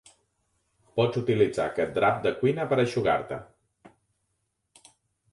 Pots utilitzar aquest drap de cuina per a eixugar-te.